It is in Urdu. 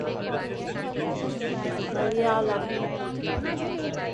ملیالم